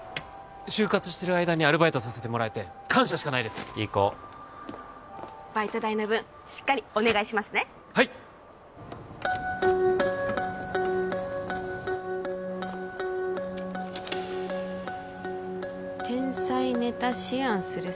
就活してる間にアルバイトさせてもらえて感謝しかないですいい子バイト代の分しっかりお願いしますねはいっ天才ネタ思案する